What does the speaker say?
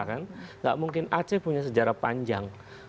tidak mungkin aceh punya sejarah panjang